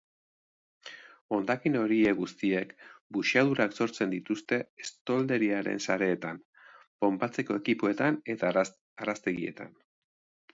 Hondakin horiek guztiek buxadurak sortzen dituzte estolderiaren sareetan, ponpatzeko ekipoetan eta araztegietan.